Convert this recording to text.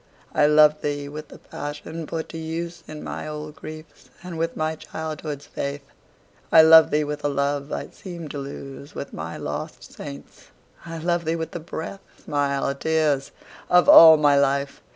I love thee with the passion put to use In my old griefs, and with my childhood's faith. I love thee with a love I seemed to lose With my lost saints,—I love thee with the breath, Smiles, tears, of all my life!